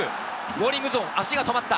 ウォーニングゾーンで足が止まった。